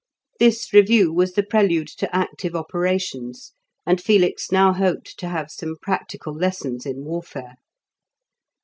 This review was the prelude to active operations, and Felix now hoped to have some practical lessons in warfare.